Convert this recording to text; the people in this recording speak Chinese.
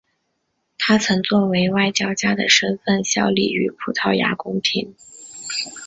他曾作为外交家的身份效力于葡萄牙宫廷。